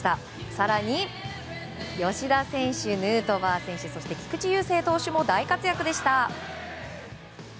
更に、吉田選手、ヌートバー選手そして菊池雄星投手も大活躍でした。